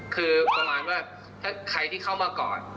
คือประมาณว่าถ้าใครที่เข้ามาก่อน